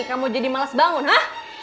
kamu jadi males bangun ha